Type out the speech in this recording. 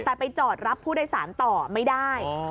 แต่ไปจอดรับผู้โดยสารต่อไม่ได้